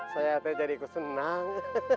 saya hati hati jadi ikut senang